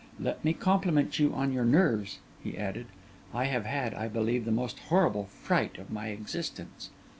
Let me compliment you on your nerves,' he added. 'I have had, I believe, the most horrible fright of my existence.